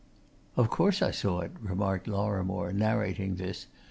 "Of course I saw it!" remarked Lorrimore, narrating this.